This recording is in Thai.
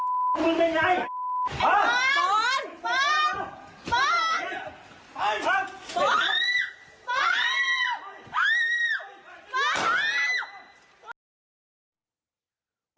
ฟ้าฟ้าฟ้า